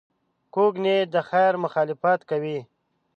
کوږ نیت د خیر مخالفت کوي